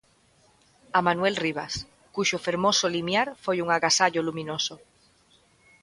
A Manuel Rivas, cuxo fermoso limiar foi un agasallo luminoso.